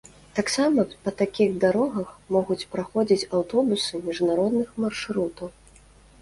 Таксама па такіх дарогах могуць праходзіць аўтобусы міжнародных маршрутаў.